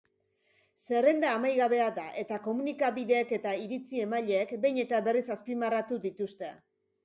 Zerrenda amaigabea da eta komunikabideek eta iritzi-emaileek behin eta berriz azpimarratu dituzte.